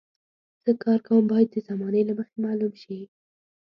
زه کار کوم باید د زمانې له مخې معلوم شي.